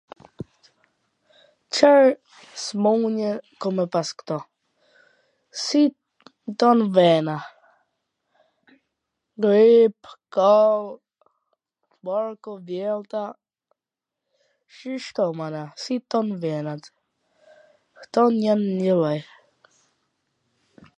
Car smun-je ka me pas ktu. Si tan vena, grip, koll, barku, t vjellta, shishto mana, si ton venat. Ton jan njilloj.